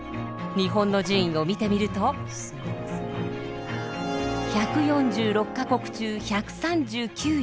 日本の順位を見てみると１４６か国中１３９位。